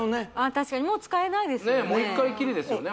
確かにもう使えないですよね